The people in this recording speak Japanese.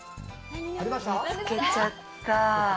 見つけちゃったぁ。